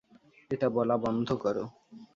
এটা বলা বন্ধ করো!